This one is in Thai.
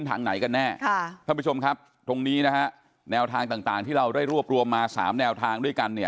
ท่านผู้ชมแนวทางต่างที่เราได้รวบรวมมา๓แนวทาง